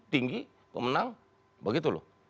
tinggi kemenang begitu loh